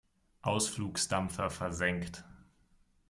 Ausflugsdampfer versenkt!